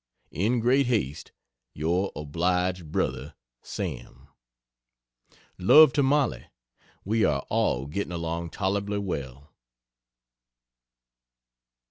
In great haste, Yr Obliged Bro. SAM. Love to Mollie. We are all getting along tolerably well.